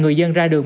người dân ra đường